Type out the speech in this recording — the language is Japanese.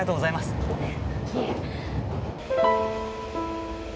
いえ。